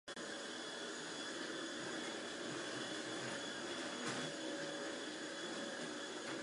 It is located in the scenic Marselisborg Forests close to the center of Aarhus.